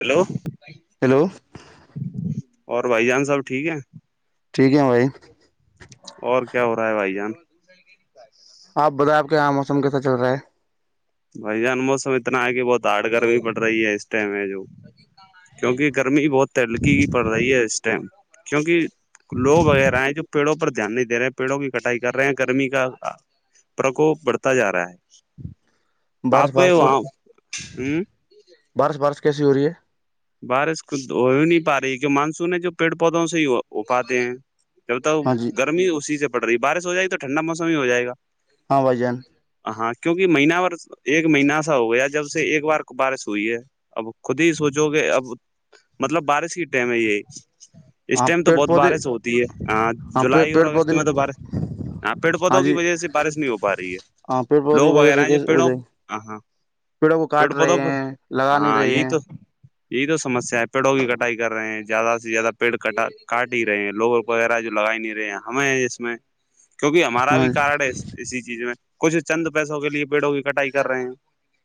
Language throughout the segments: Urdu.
ہیلو ہیلو اور بھائی جان صاحب ٹھیک ہیں- ٹھیک ہے بھائی- اور کیا ہو رہا ہے بھائی جان [unintelligible] آپ بتائیں آپ کے, یہاں موسم کیسا چل رہا ہے- بھائی جان موسم اتنا ہے کہ بہت ہاڑ گرمی پڑ رہی ہے اس ٹم ہے جو- کیونکہ گرمی بہت تلکی کی پڑ رہی ہے اس ٹائم کیونکہ- لوگ وغیرہ ہیں جو پیڑوں پر- دھیان نہیں دے رہے ہیں پیڑوں کی کٹائی کر رہے ہیں گرمی کا پرکوپ بڑھتا جا رہا ہے- بارش آپ بارش وہاں ہ بارش بارش کیسی ہو رہی ہے- بارش کو ہو ہی نہیں پا رہی کی مانسون ہے جو پیڑ پودوں سے ہی ہو پاتے ہیں جب تو ہاں جی گرمی اسی سے پڑ رہی ہے بارش ہو جائے گی تو ٹھنڈا موسم ہی ہو جائے گا- ہاں بھ جان ہاں کیونکہ مہینہ بار ایک مہینہ سا ہو گیا جب سے ایک بار بارش ہوئی ہے- اب خود ہی سوچو کہ اب مطلب بارش کی ٹائم ہے یہی- اس ہاں ٹائم تو پیڑ بہت پودے بارش ہوتی ہے ہاں جولائی اور پیڑ اگست پودے میں تو بارش- ہاں پیڑ پودوں کی وجہ سے بارش نہیں ہو پا رہی ہے ہاں پیڑ پودے لوگ کی وجہ وغیرہ سے ہیں جو کیسے ہو پیڑوں جائے ہ ہاں پیڑوں کو پیڑ کاٹ پودوں رہے پر ہیں لگا نہیں ہاں رہے یہی ہیں تو- یہی تو سمسیا ہے پیڑوں کی کٹائی کر رہے ہیں زیادہ سے زیادہ پیڑ کاٹ ہی رہے ہیں لوگ- وغیرہ جو لگا نہیں رہے ہیں ہمیں اس میں کیوںکہ ہمارا ہاں بھی کارڈ ہے اسی چیز میں کچھ چند پیسوں کے لیے پیڑوں کی کٹائی کر رہے ہیں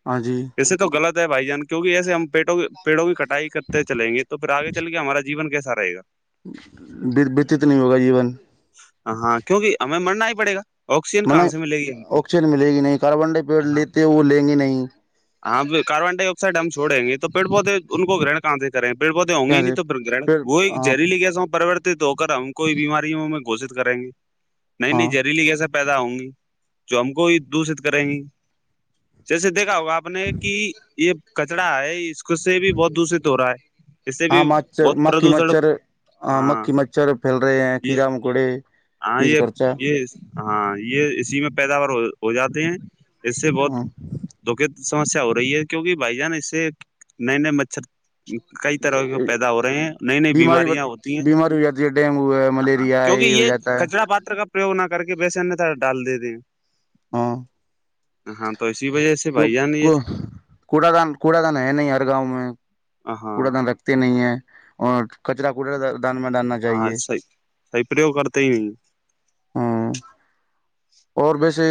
ہاں جی ویسے تو غلط ہے بھائی جان کیوں نکہ ایسے ہم پیڑو پیڑو کے کٹائی کرتے چلیں گے تو پھر آگے چل کے ہمارا جیون کیسا رہےا دربدت نہیں ہوگا جیون ہاں کیونکہ ہمیں مرنا ہی پڑے گا آکسیجن کہاں مطلب سے ملے گی ہم کو آکسیجن ملے گی نہیں کاربن ڈائیڈ ہاں لیتے وہ لیں گی نہیں ہاں کاربن ڈائی آکسائڈ ہم چھوڑیں گے تو پڑ پودے ان کو گن- کہاں سے کریں پڑ پودے ہوں کیا گے نہیں سے تو پھر وہ ایک ہاں جہریلی جسا پرورت- تو ہو کر ہم کوئی بیماریوں ہم گھشت کریں گے نہیں-نہیں ہاں جہریلی کیی- پیدا ہوں گی جو ہم کو ہی دووشت کریں گی جیسے دیکھا ہوگا آپ- اپنے کہ یہ کچرا ہے اس سے بھی بہت دشت ہو رہا ہے اس سے بھی ہاں مچھر بہت مکھی پردوشن مچھر- ہاں مکھی مچھر پھیل رہے ہیں یہ کیڑا مکوڑے ہاں یہز یہ خرچہ- یہ ہاں یہ اسی میں پیداوار ہو جاتے ہیں اس سے بہت ہاں دکھت سمسیا ہو رہی ہے کیونکہ بھائی جان اس سے نئے نئے مچھر کئی طرح کے پیدا ہو رہے ہیں نئی نئی بیماری بیماریاں ہوتی ہیں بیماری ہو جاتی ہے ڈینگو ہے ہ ملیریا ہے کیونکہ ہو یہ جاتا ہے کچرا پاتر کا نہ کر کے بیسن تھا ڈال دے د ہاں ہاں تو اسی وجہ سے بھائی جان یہ کوڑا دان کوڑا دان ہے نہیں ہر گاؤں میں ہاں کوڑا دان رکھ نہیں ہے اور کچرا کوچرا دان میں ڈالنا ہاں چاہیے صحیح پریوگ کرتا ہی نہیں ہاں اور ویسے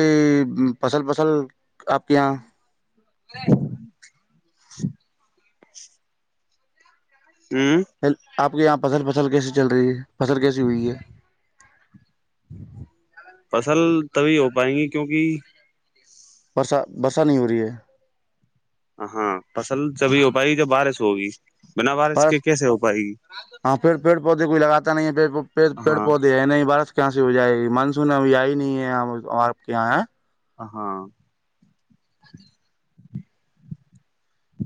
فصل فصل آپ کے یہاں نہیں ہوں آپ کے یہاں فصل فصل کیسی چل رہی ہے فصل کیسی ہوئی ہے فصل تبھی ہو پائیں گی کیونکہ برسہ برسا نہیں ہو رہی ہے ہاں فصل جبھی ہو پائے گی جب بارش ہوگی بنا بارش کے بس کیسے ہو پائے گی ہاں پھرڑ پڑ پودے کوئی لگاتا نہیں ہے پیڑ ہاں پودے ہے نہیں بارش کہاں سے ہو جائے گی مانسون ابھی آ ہی نہیں ہے آپ یہاں ہے ہاں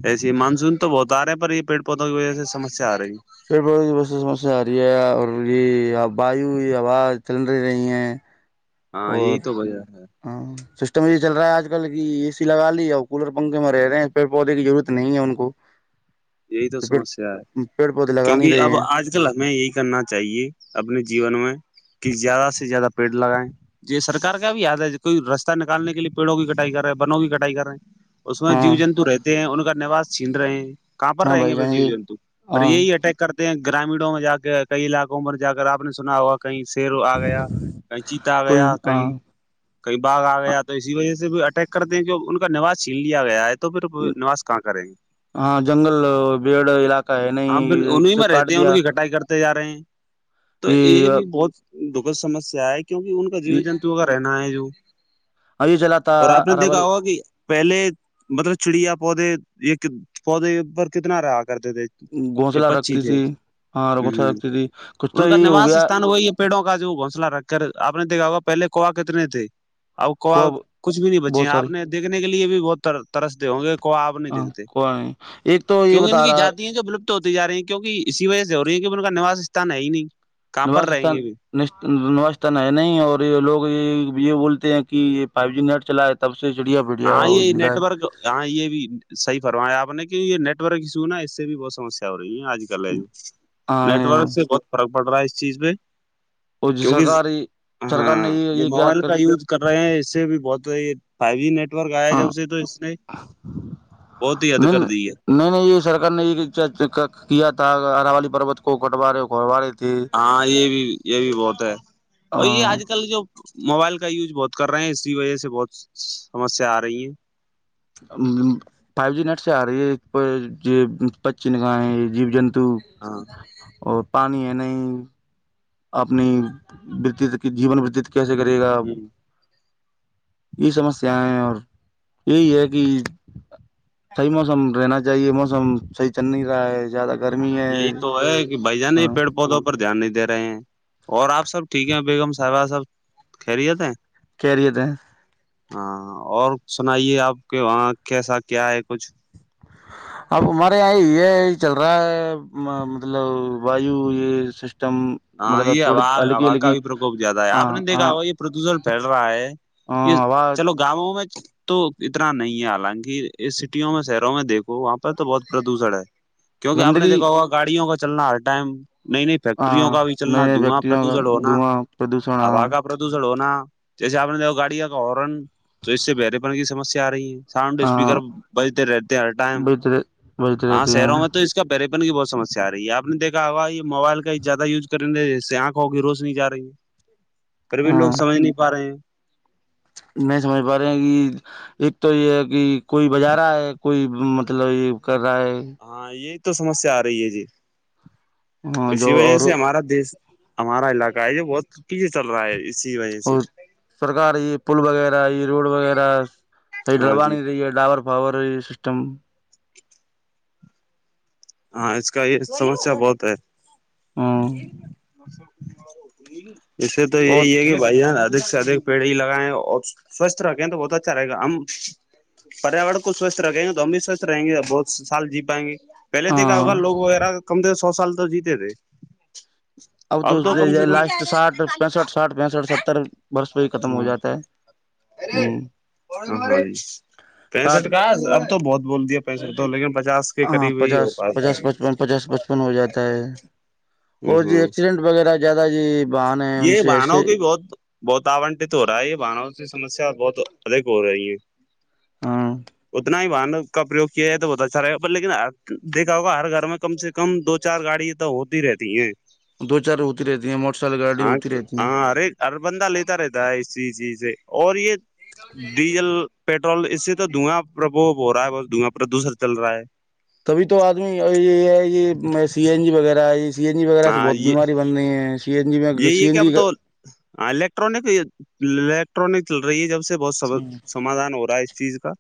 ایسے مانسون تو بہت آ رہے ہیں پر یہ پیڑ پودوں کی وجہ سے سمسیا آ رہی ہے پیڑ پڑوں کی بس سمسیا آ رہی ہے اور یہ واو یہ ہوا چل رہی ہے ہاں یہی تو وجہ ہے سسٹم یہ چل رہا ہے آج کل کی ا سی لگا لی ہے اور کولر پنکھے میں رہے ہیں پیڑ پودے کی ضرورت نہیں ہے ان کو یہی تو پیڑ سمسیا ہے پیڑ پودے لگا نہیں کیونکہ رہے اب ہیں آج ل ہمیں یہی کرنا چاہیے اپنے جیون میں کہ زیادہ سے زیادہ پیڑ لگائیں یہ سرکار کا بھی یاد ہے کوئی رستہ نکالنے کے لیے پیڑوں کی کٹائی کر رہے ہیں بنوں کی کٹائی کر رہے ہیں اس میں جیو ہاں جنتو رہتے ہیں ان کا نوس چھین رہے ہیں کہاں پر ہاں رہیں بھائی گے پھر جان جی جیو جنتو پر ہاں یہی اٹیک کرتے ہیں گرامینوں میں جا کے کئی علاقوں پر جا کر آپ نے سنا ہوا کہیں شیرو آ گیا کہیں چیتا آ کوئی گیا ہاں کہیں کئی باغ آ گیا تو اسی وجہ سے بھی اٹیک کرتے ہیں جو ان کا نواز چھین لیا گیا ہے تو پھر نواس کہاں کریں گے ہاں جنگل پیڑ علاقہ ہے ہاں ب نہیں اس انہیں سے میں رہتے کاٹ ہیں ان دیا کی کٹائی کرتے جا رہے ہیں تو یہ بھی بہت دکھد سمسیا ہے کیوںکہ ان کا جیو یہ جنتو کا رہنا ہے جو چلا تھا اور آپ نے دیکھا اراولی ہوا کہ پہلے مطلب چڑیا پودے یہ پودے پر کتنا رہا کرتے تھے یہ گھونسلہ پچی رکھتی تھی ہاں ہ گھونسلہ ہ رکھتی تھی کچھ ان تو کا یہ ہو نواس گیا استھان وہی پیڑوں کا جو گھونسلہ رکھ کر آپ نے دیکھا ہوا پہلے کوا کتنے تھے اب کو کچھ بھی نہیں بچی بہت ساری آپ نے دیکھنے کے لیے بھی بہت ترستے ہوں گے کوو آپ نہیں ہاں، دیکھتے نہیں ایک تو یہ کیوںک ان بتا کی رہا ہے جاتیں جو ولپت ہوتی جا رہی ہیں کیوںک اسی وجہ سے ہو رہی ہیں کی ان کا نوسستھان ہے ہی نہیں کہاں ن پر رہیں ستان گے بھی [unintelligible] نتن ہے نہیں اور یہ لوگ یہ یہ بولتے ہیں کہ یہ فائیو جی نیٹ چلائے تب پ سے چڑیا ویڈیا ہاں ہو یہ ج گا نیٹ ہے ورک ہاں یہ بھی صحیح فرمایا آپ نے کیوں یہ نیٹ ورک ایشو نا اس سے بھی بہت سمسیا ہو رہی ہے آج ے نیٹورک سے بہت فرق پڑ رہا ہے اس چیز پہ اور جو کیونکہ سرکار ہاں یہ موبائل کا یوز کر رہے ہیں اس سے بھی بہت فائیو جی نیٹ آیا ہاں جب سے تو اس نے بہت ہی یاد نہیں کر نہیں دی ہے نہیں نہیں یہ سرار نے یہ کیا تھا ہرا والی پوت کو کٹوا رہے گھٹوا رہے تھے ہاں یہ بھی یہ بھی بہت ہے اور یہ آج کل جو موبائل کا یوز بہت کر رہے ہیں اسی وجہ سے بہت سمسیا آ رہی ہیں فائیو جی نیٹ سے آ رہی ہےچ چ گاہ جی جنت تو ہاں اور پانی ہے نہیں اپنی بتیت کی جیون وتیت کیسے کرے گا ہ یہ سمسیایں اور یہی ہے کہ صحیح موسم رہنا چاہیے موسم صحیح چل نہیں رہا ہے زیادہ گرمی ہے یہی تو ہے کہ بھ جان یہ ہاں پیڑ پودوں دھیان نہیں دے رہے ہیں اور آپ سب ٹھیک ہیں بیگم صاحبہ سب خریت ہیں کیریت ہیں ہاں اور سنائیے آپ کے وہاں کیسا کیا ہے کچھ ہ [unintelligible] اب ہمارے یہاں یہ چل رہا ہے مطلب وایو یہ سسٹم ہاں مطلب یہ تھوڑی ہا ہلکی ہا کا ہلکی بھی پرکوپ زیادہ ہے آپ نے دیکھا ہوا یہ پردوشن پھیل رہا ہے یہ ہوا چلو گاؤوں میں تو اتنا نہیں ہے حالانکہ اس سٹیوں میں شہروں میں دیکھو وہاں پہ تو بہت پردوشن ہے کیونکہ آپ نے گندگی دیکھا ہوگا گاڑیوں کا چلنا ہر ٹائم نہیں نہیں پ ہاں کا بھی نئے چلنا نئے دھواں ویکتیوں کا پردوشن ہونا دھواں پردوشن ہا کا پرد دش ہونا جیسے آپ نے دیک گاڑیاں کا ہارن تو اس سے بہرے پن کی سمسیا آ رہی ہے ساؤنڈ اسپیکر ہاں بجتے رہتے ہر ٹائم بجتے بجتے ہاں رہتے شہروں میں تو ہیں اس پریپن کی بہت سسیا آ رہی ہےپ نےیکھا ہوا یہ موبائل کا زیادہ یوز کرنےے جس سے آنکھ ہوگی روز نہیں جا رہی ہے پھر بھی لوگ ہاں سج نہیں پا رہے ہیں نہیں سمجھ پا رہے کہ ایک تو یہ ہے کہ کوئی بازار آ ہے کوئی مطلب یہ کر رہا ہے ہاں یہی تو سمسیا آ رہی ہے جی ہاں اسی جو وجہ اور سے ہمارا دیش ہمارا علاقہ ہے یہ بہت پیچھے چل رہا ہے اسی وجہ سے اور سرکار یہ پل وغیرہ یہ روڈ وغیرہ یہ ہاں جی ڈرباانی رہی ہے ڈاور پاور سسٹم ہاں اس کا یہ سمسیا بہت ہے ہاں ایسے تو اور یہی ہے کہ بھائی جان ادھک سے ادھک پیڑ ہی لگائیں اور سوستھ رکھیں تو بہت اچھا رہے گا ہم پیاورر کو سوستھ رکھیں گے تو ہم بھی سوستھ رہیں گے اور بہت سال جی پائیں گے پہلے دیک کیا ہاں ہوگا لوگ وغیرہ کم سے سو سال تو جیتے تھے اب تو کم سے کم لاسٹ ساٹھ پینسٹھ ساٹھ پینسٹھ ستر برس پہ ہی ختم ہو جاتا ہے ہ ساٹھ پینسٹ کا اب تو بہت بول دیا پیسے تو لیکن پچاس کے ہاں قریب ہی پچاس ہو پاتا پچاس ہے پچپن پچاس پچپن ہو جاتا ہے اور یہ ہ ایکسیڈنٹ وغیرہ زیادہ جی بہانے ہیں ان یہ سے بہانوں ایسے کی بہت بہت آنٹت ہو رہا ہے یہ بانو کی سمسیا بہت ادھک ہو رہی ہے ہاں اتنا ہی واہن کا پریوگ کیا ہے تو بہت اچھا رہے گا پر لیکن دیکھا ہوگا ہر گھر میں کم سے کم دو چار گاڑی تو ہوتی رہتی ہیں دو چار اتیرے مو ہاں ہاں ہر ہر بندہ لیتا رہتا ہے اسی چیز سے اور یہ ڈیزل پیٹرول اس سے تو دھواں پربوپ ہو رہا ہے بت دھواں پردوشر چل رہا ہے تبھی تو آدمی یہ ہے یہ سی این جی وغیرہ ہے یہ سی این جی وغیرہ سے ہاں بہت یہ بیماری بن [inaudible] یہی سی یہ این کہ اب جی تو ہ الیکٹرانک الیکٹرانک چل رہی ہے جب سے بہت سب سمادھان ہو رہا ہے اس چیز کا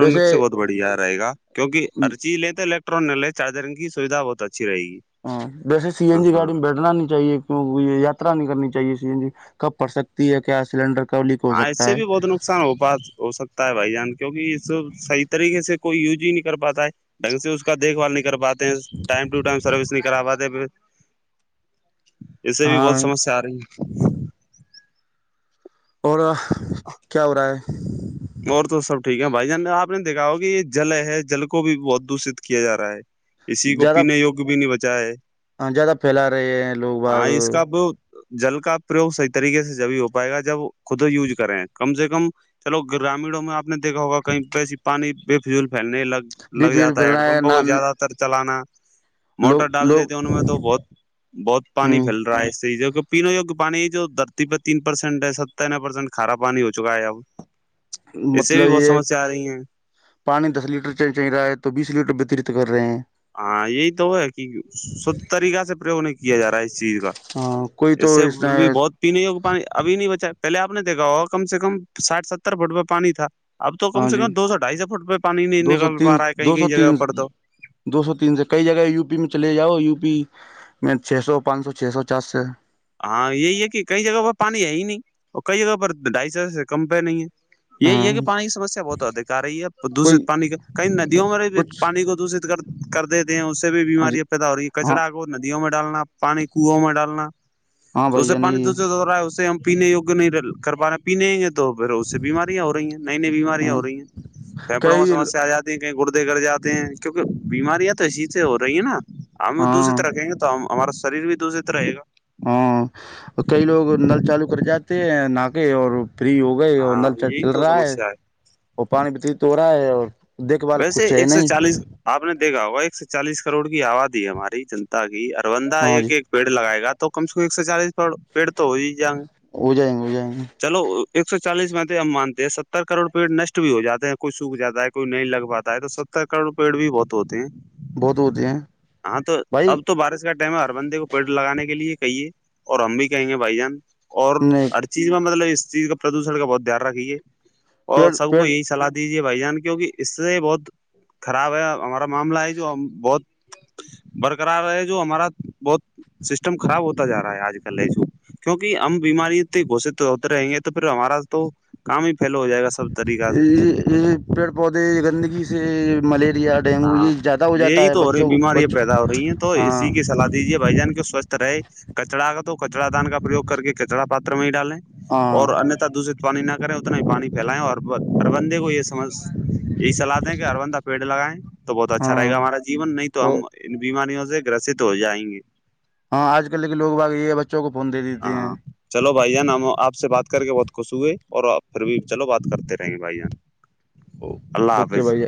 ویسے سے بہت بڑھیا رہے گا کیونک ہر چیز لیتے تو ٹرلے چارجرگ کی سویدھ بہت اچھی رہےی ہاں جیسے سی این جی گاڑی میں بیٹھنا نہیں چاہیے یاتا نہیں کرنی چاہیے سیین جی کب پڑ سکتی ہے کیا سلینڈر کب ہو ہاں ایسے سکتا ہے بھی بت نقصان ہو پا ہو سکتا ہے بھائی جان کیوںکہ یہ صح طریقے سے کوئی یوج ہی نہیں کر پاتا ہے ڈھنگ سے اس کا دیکھ بھال نہیں کر پاتے ہیں ٹائم ٹو ٹائم سروس نہیں کرا پاتے پ اسے بھی بہت ہاں سمسیا آ رہی ہے اور کیا ہو رہا ہے اور تو سب ٹھیک ہے بھائی جان آپ نے دیکھا ہو کہ یہ جل ہے جل کو بھی بہت دشت کیا جا رہا ہے اسی کو پینے یگ بھی نہیں بچا ہے ہاں زیادہ پھیلا رہے ہیں لوگ بغ ہاں اس کا جل کا پرریوگ صحیح طریقے سے جبھی ہو پائے گا جب خود یوز کریں کم سے کم چلو گرامیڑوں میں آپ نے دیکا ہوگا کہیں ویسی پانی بےفضول پھیلنے لگ بھی لگ بھیڑ جاتا پھیل ہے ہیڈ رہا پمپ کو نہ زیادہ تر چلانا موٹر لوگ ڈال لوگ دیتے ان میں تو بہت بہت پانی ہ پھیلتا ڈ پیننے یگ پانی جو دھرتی پہ تین پرسینٹ ہے ست ن پرسینٹ کارا پانی ہو چکا ہے اب [inaudible] اس سے بھی مطلب بہت یہ سمسیا آ رہی ہیں پانی دس لیٹر چل رہا ہے تو بیس لیٹر وتریت کر رہے ہیں ہاں یہی تو وہ ہے کہ شھ طریقہ سے پرریوگ نہیں کیا جا رہا اس چیز کا ہاں کوئی تو سے اس بھی بہت پینے پانی ابھی نہیں بچا پہلے آپ نے دیکا ہو کم سے کم ساٹھ ستر فٹ پہ پانی تھا اب تو کم سے جی کم دو سو ڈھائی سو فٹ پہ پانی نہیں دو سو نکل پا تین رہا ہے کہیں دو کیں سو جگہ تین پر تو دو سو تین سے کئی جگہ یو پی میں چلے جاؤ یو پی میں چھ سو پانچ سو چھ سو چاس سو ہاں یہی ہے کہ کئی جگہوں پر پانی ہے ہی نہیں اور کئی جگہ پر ڈھائی سو سے کم پہ نہیں ہے یہ ہاں یہ کہ پانی کی سمسیا بہت ادھک آ رہی ہے دوشت کوئی پانی کےئی ندیوں میں کچھ پانی کو دشت کر کر دیتے ہیں اس سے بھی ہاں جی بیماریاں پیدا ہو رہی ہیں ہاں کچڑا کو ندیوں میں ڈالنا پانی کنووں میں ڈالنا ہاں تو بھائی اسے جان پانی یہی دو سے د رہا ہے اسے ہم پینے یگ نہیں کر پان رہے پینےیں گے تو پھر اس سے بیماریاں ہو رہی ہیں نئی نئی بیماریاں ہے ہو رہی ہیں پھیپڑوں میں کئی سسیا آ جاتی کہیں گردے گ جاتے ہیں کیونکہ بیماریاں تو اسی سے ہو رہی ہیں نا ہم دوسری ہاں طرح کہیں گے تو تو ہمارا شریر بھی د دوشت رہے گا ہاں کئی لوگ نل چالو کر جاتے نا کے اور پری ہوگ ہو گئی اور ہاں نل یہی چل تو رہا ہے سمسیا اور پانی وتیت ہو رہا ہے اور دیکھ بھال ویسے کچھ ہے ایک سو نہیں چالیس آپ نے دیکھا ہوگا ایک سےو چالیس کروڑ کی آبادی ہے ہماری جنتا کی اربندہ ہاں جی ایک ایک پیڑ لگائے گا تو کم سے کم ایک سو چالیس پڑ پیڑ تو ہو ہی جائیں گے ہو جائیں گے ہو جائیں گے چلو ایک سو چالیس میں تو ہم مانتے ہیں ستر کروڑ رپی نشٹ بھی ہو جاتے ہیں کوئی سوکھ جاتا ہے کوئی نہیں لگ بات آئے تو ستر کروڑ پیڑ بھی بہت ہوتے ہیں بہت ہوتے ہیں ہاں تو بھائی اب تو بارش کا ٹم ہر بندے کو پیڑ لگانے کے لیے کہیے اور ہم بھی کہیں گے بھائی جان اور نہیں چیز میں مطلب اس چیز کا پردوشن کا بہت دھیان رکھیے اور پیڑ سب کو پیڑ یہی سلاح دیجے بھائی جان کیونکہ اس سے بہت خراب ہے ہمارا معاملہ ہے جو ہم بہت برقرار رہ ہے جو ہمارا بہت سسٹم خراب ہوتا جا رہا ہے آج کل ہے جو کیونکہ ہم بیماری ت گھوشت ہوتے رہیں گے تو پھر ہمارا تو کام ہی فیل ہو جائے گا سب طریقہ سے یہ پیڑ پودے گندگی سے ملیریا ڈینگو ہاں یہ زیادہ ہو یہی جاتا ہے تو ہو رہی بچوں بیماریاں بچوں پیدا ہو رہی ہیں تو ہاں اسی کی سلاح دیجے بھائی جان کے سوستھ رہے کچڑا کا تو کچڑا دان کا پروگ کر کے کچڑا پاتر میں ہی ڈالیں ہاں اور دوشت پانی نہ کریں اتنا ہی پانی پھیلیں اور ہر بندے کو ایے سمجھ یہی سلاح دیں کہ اروندہ پیڑ لگائیں تو بہت اچھا رہے ہاں گا ہمارا جیون نہیں تو ہم بھی بیماریوں سے گرست ہو جائیں گے ہاں آج کل کے لوگ باقی یہ بچوں کو فون دے دیتے ہیں ہاں چلو بھائی جان ہم آ سے بات کر کے بہت خوش ہوئے اور پھر بھی چلو بات کرتے رہ بھائی جان اللہ اوکے حافظ بھائی